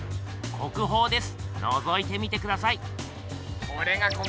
国宝です！